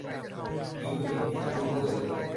หรือเบียดเบียนผู้อื่น